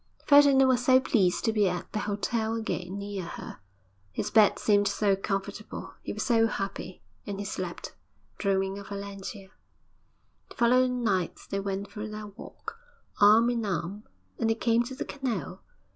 Ferdinand was so pleased to be at the hotel again, near her. His bed seemed so comfortable; he was so happy, and he slept, dreaming of Valentia. The following night they went for their walk, arm in arm; and they came to the canal.